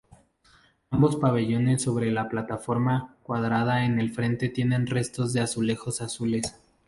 Ambos pabellones sobre la plataforma cuadrada en el frente tienen restos de azulejos azules.